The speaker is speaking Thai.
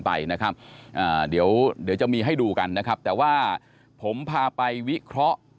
ไปนะครับอ่าเดี๋ยวเดี๋ยวจะมีให้ดูกันนะครับแต่ว่าผมพาไปวิเคราะห์